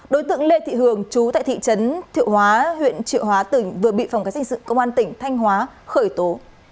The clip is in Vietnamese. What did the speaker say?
đối tượng lê thị hường trú tại thị trấn thị hóa huyện triệu hóa tỉnh vừa bị phòng cảnh sát điều tra tội phạm về ma túy công an tỉnh thành hóa khởi tố